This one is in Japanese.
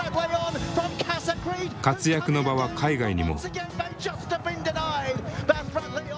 活躍の場は海外にも。